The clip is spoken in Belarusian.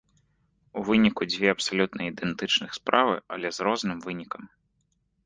У выніку дзве абсалютна ідэнтычных справы, але з розным вынікам.